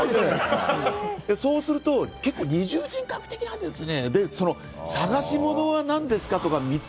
そうすると二重人格的なんですね。